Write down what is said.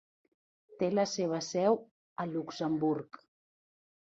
Té la seva seu a Luxemburg.